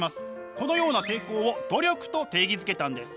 このような抵抗を努力と定義づけたんです。